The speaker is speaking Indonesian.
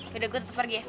yaudah gue tetep pergi ya